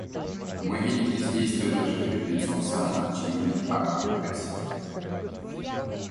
Мы видим бездействие даже перед лицом самых очевидных актов агрессии.